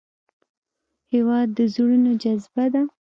هېواد د زړونو جذبه ده.